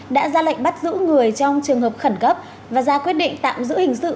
đã ra lệnh bắt giữ người trong trường hợp khẩn cấp và ra quyết định tạm giữ hình sự